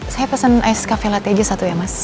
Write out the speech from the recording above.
saya pesen es cafe latte aja satu ya mas